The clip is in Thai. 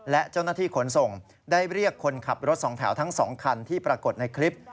และเจ้าหน้าที่ขนส่งได้เรียกคนขับรถสองแถวทั้ง๒คันที่ปรากฏในคลิป